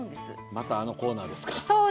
またあのコーナーですか。